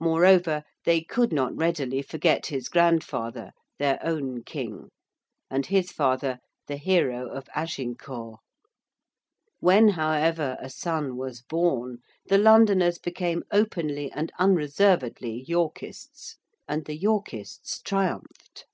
Moreover, they could not readily forget his grandfather, their own King; and his father, the hero of Agincourt. When, however, a son was born, the Londoners became openly and unreservedly Yorkists. And the Yorkists triumphed.